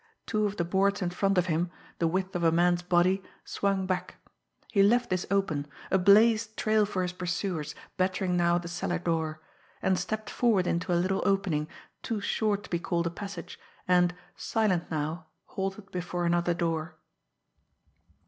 Two of the boards in front of him, the width of a man's body, swung back. He left this open a blazed trail for his pursuers, battering now at the cellar door and stepped forward into a little opening, too short to be called a passage, and, silent now, halted before another door.